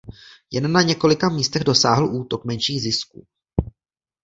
Jen na několika místech dosáhl útok menších zisků.